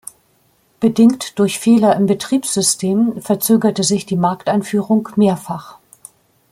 Bedingt durch Fehler im Betriebssystem verzögerte sich die Markteinführung mehrfach.